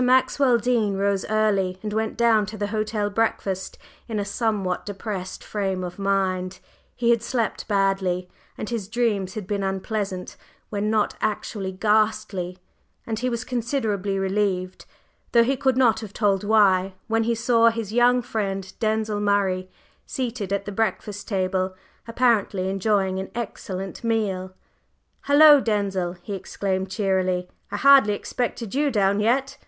Maxwell Dean rose early and went down to the hotel breakfast in a somewhat depressed frame of mind; he had slept badly, and his dreams had been unpleasant, when not actually ghastly, and he was considerably relieved, though he could not have told why, when he saw his young friend Denzil Murray, seated at the breakfast table, apparently enjoying an excellent meal. "Hullo, Denzil!" he exclaimed cheerily, "I hardly expected you down yet.